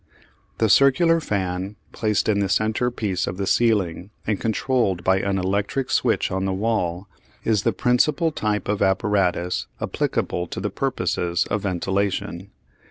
The circular fan, placed in the centre piece of the ceiling and controlled by an electric switch on the wall, is the principal type of apparatus applicable to the purposes of ventilation.